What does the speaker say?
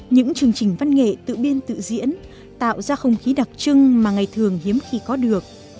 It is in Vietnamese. những chương trình văn nghệ tự biên tự diễn tạo ra không khí đặc trưng mà ngày thường hiếm khi có được